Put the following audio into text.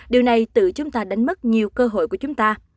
điều này tự chúng ta đánh mất nhiều cơ hội của chúng ta